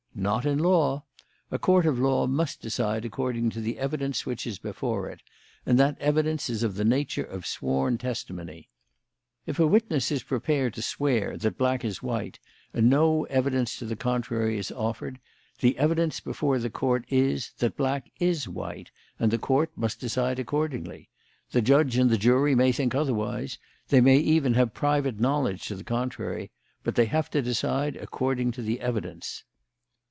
Not in law. A court of law must decide according to the evidence which is before it; and that evidence is of the nature of sworn testimony. If a witness is prepared to swear that black is white, and no evidence to the contrary is offered, the evidence before the Court is that black is white, and the Court must decide accordingly. The judge and the jury may think otherwise they may even have private knowledge to the contrary but they have to decide according to the evidence."